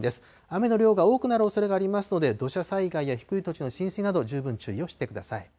雨の量が多くなるおそれがありますので、土砂災害や低い土地の浸水など、十分注意をしてください。